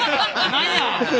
何や！